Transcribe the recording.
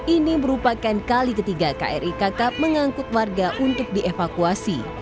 ini merupakan kali ketiga kri kakap mengangkut warga untuk dievakuasi